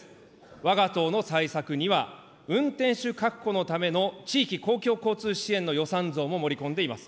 わが党の対策には、運転手確保のための地域公共交通支援の予算増も盛り込んでいます。